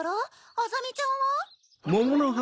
あざみちゃんは？